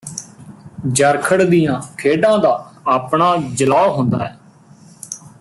ਜਰਖੜ ਦੀਆਂ ਖੇਡਾਂ ਦਾ ਆਪਣਾ ਜਲੌਅ ਹੁੰਦੈ